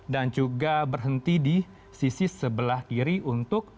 dan juga berhenti di sisi sebelah kiri untuk